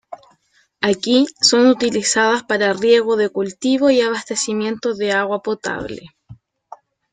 Aquí son utilizadas para riego de cultivos y abastecimiento de agua potable.